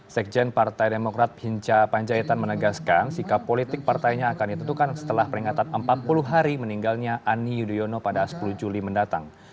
sekjen partai demokrat hinca panjaitan menegaskan sikap politik partainya akan ditentukan setelah peringatan empat puluh hari meninggalnya ani yudhoyono pada sepuluh juli mendatang